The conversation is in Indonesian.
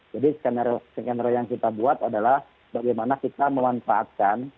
jadi skenario yang kita buat adalah bagaimana kita memanfaatkan